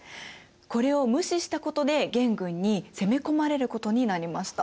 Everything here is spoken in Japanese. これを無視したことで元軍に攻め込まれることになりました。